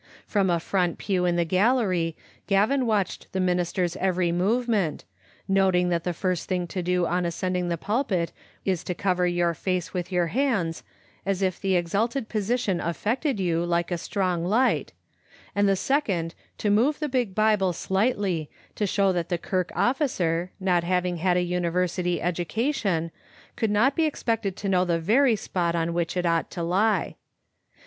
From a front pew in the gallery Gavin watched the minister's every movement, noting that the first thing to do on ascending the pulpit is to cover your face with your hands, as if the exalted position affected you like a strong light, and the second to move the big Bible slightly, to show that the kirk officer, not having had a university education, could not be expected to know the very spot on which it ought to lie.